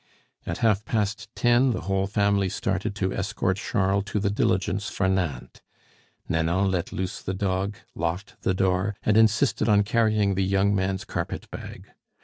At half past ten the whole family started to escort Charles to the diligence for Nantes. Nanon let loose the dog, locked the door, and insisted on carrying the young man's carpet bag.